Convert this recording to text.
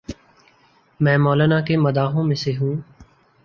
میں مولانا کے مداحوں میں سے ہوں۔